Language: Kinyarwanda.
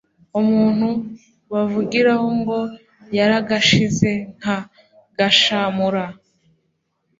umuntu bavugiraho ngo yaragashize nka gashamura